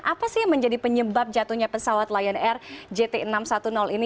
apa sih yang menjadi penyebab jatuhnya pesawat lion air jt enam ratus sepuluh ini